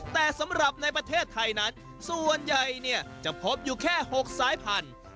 แต่สำหรับในประเทศไทยนั้นส่วนใหญ่จะพบอยู่แค่๖สายพันธุ์